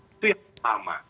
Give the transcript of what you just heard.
itu yang pertama